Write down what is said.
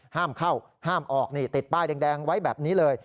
ห้ามเข้าห้ามออกนี่ติดป้ายแดงไว้แบบนี้เลย